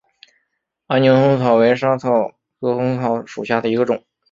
安宁薹草为莎草科薹草属下的一个种。